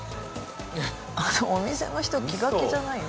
あのお店の人気が気じゃないよ。